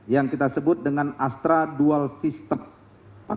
direktur astra tech tony hasilalahi mengatakan